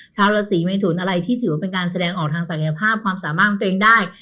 ชาวราศีเมทุนอะไรที่ถือว่าเป็นการแสดงออกทางศักยภาพความสามารถของตัวเองได้